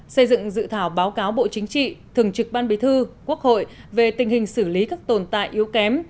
xây dựng dự thảo báo cáo bộ chính trị thường trực ban bí thư quốc hội về tình hình xử lý các tồn tại yếu kém